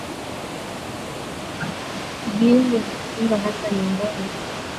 Viungo kuvimba hasa miongoni mwa ndama